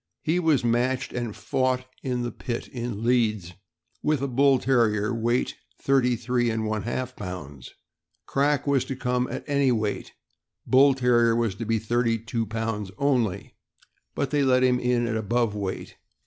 He was matched and fought in the pit, in Leeds, with a Bull Terrier, weight thirty three and one half pounds. Crack was to come any weight; Bull Terrier was to be thirty two pounds only, but they let him in at above weight.